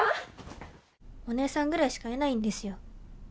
おねえさんぐらいしかいないんですよ